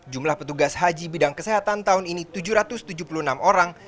jumlah petugas haji bidang kesehatan tahun ini tujuh ratus tujuh puluh enam orang